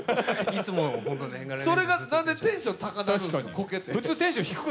それがなんでテンション高なるねん。